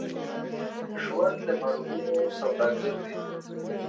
ژوند د مرګونو سوداګر دی.